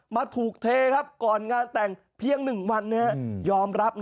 มาถูกเทครับก่อนงานแต่งเพียง๑วันยอมรับ